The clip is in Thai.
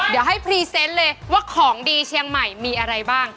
เดี๋ยวให้พรีเซนต์เลยว่าของดีเชียงใหม่มีอะไรบ้าง